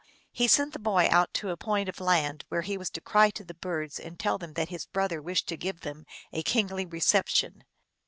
He sent the boy out to a point of land, where he was to cry to the birds and tell them that his brother wished to give them a kingly reception.